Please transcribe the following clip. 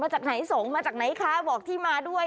๗มาจากไหน๒มาจากไหนคะบอกที่มาด้วย